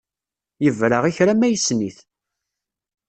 Yebra i kra ma yessen-it.